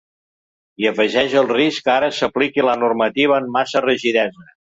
I afegeix el risc que ara s’apliqui la normativa amb massa rigidesa.